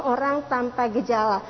orang tanpa gejala